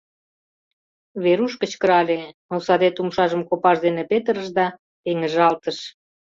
Веруш кычкырале, но садет умшажым копаж дене петырыш да пеҥыжалтыш: